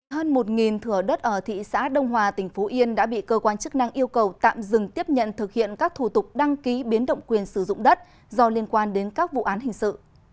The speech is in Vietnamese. hơn một thừa đất ở thị xã đông hòa tỉnh phú yên đã bị cơ quan chức năng yêu cầu tạm dừng tiếp nhận thực hiện các thủ tục đăng ký biến động quyền sử dụng đất do liên quan đến các vụ án hình sự